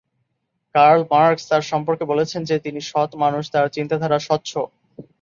Curl Marx তার সম্পর্কে বলেছেন যে, তিনি "সৎ মানুষ, তাঁর চিন্তাধারা স্বচ্ছ"।